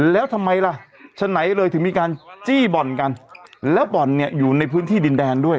แล้วทำไมล่ะฉะไหนเลยถึงมีการจี้บ่อนกันแล้วบ่อนเนี่ยอยู่ในพื้นที่ดินแดนด้วย